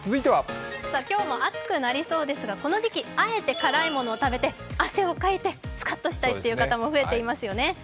今日も暑くなりそうですが、この時期、あえて辛いものを食べて汗をかいてスカッとしたいという方も増えていますよね。